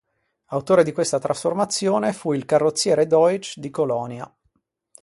Autore di questa trasformazione fu il carrozziere Deutsch di Colonia.